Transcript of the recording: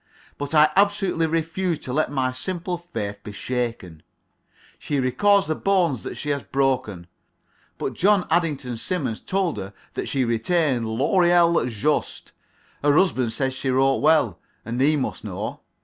But I absolutely refuse to let my simple faith be shaken. She records the bones that she has broken, but John Addington Symonds told her that she retained "l'oreille juste." Her husband said she wrote well, and he must know.